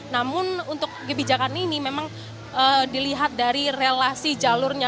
namun untuk kebijakan ini memang dilihat dari relasi jalurnya